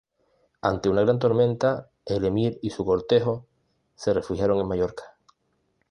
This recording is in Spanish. Ante una gran tormenta, el emir y su cortejo se refugiaron en Mallorca.